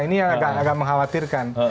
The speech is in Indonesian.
ini yang agak mengkhawatirkan